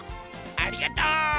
ありがとう。